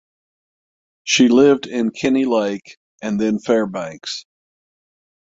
She lived in Kenny Lake and then Fairbanks.